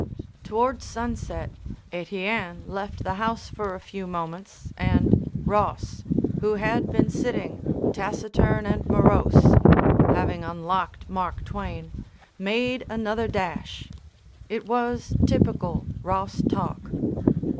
Toward sunset, Etienne left the house for a few moments and Ross, who had been sitting taciturn and morose, having unlocked Mark Twain, made another dash. It was typical Ross talk.